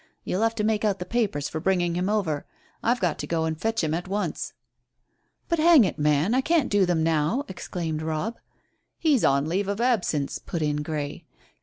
You'll have to make out the papers for bringing him over. I've got to go and fetch him at once." "But, hang it, man, I can't do them now," exclaimed Robb. "He's on leave of absence," put in Grey.